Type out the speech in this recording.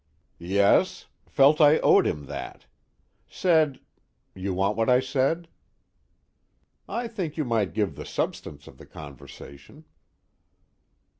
"Yes. Felt I owed him that. Said you want what I said?" "I think you might give the substance of the conversation."